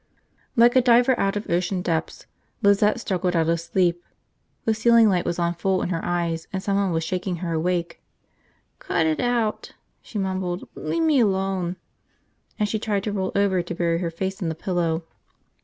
Like a diver out of ocean depths, Lizette struggled out of sleep. The ceiling light was on full in her eyes and someone was shaking her awake. "Cut it out," she mumbled, "Le' me alone." And she tried to roll over to bury her face in the pillow.